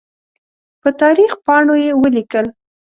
په تاریخ پاڼو یې ولیکل.